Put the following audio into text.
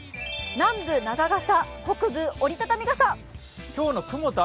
南部長傘、北部折り畳み傘。